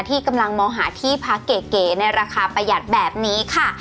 ที่กำลังมองหาที่พักเก๋ในราคาประหยัดแบบนี้ค่ะ